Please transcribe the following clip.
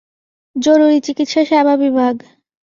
জরুরি চিকিৎসা সেবা বিভাগ।